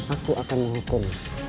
aku akan menghukum